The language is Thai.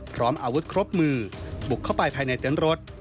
พร้อมอาวุธครบมือบุกเข้าไปภายในเต็นต์รถ